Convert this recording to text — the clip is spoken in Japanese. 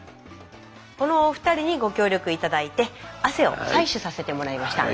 このお二人にご協力頂いて汗を採取させてもらいました。